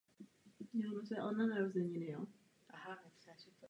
Kostel byl pravděpodobně během husitských válek poškozen a následně opraven.